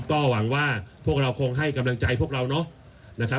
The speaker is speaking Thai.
ก็หวังว่าพวกเราคงให้กำลังใจพวกเราเนาะนะครับ